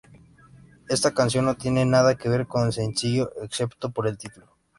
Esta canción no tiene nada que ver con el sencillo excepto por el título.